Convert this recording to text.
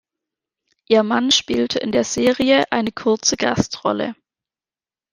Ihr Mann spielte in der Serie eine kurze Gastrolle.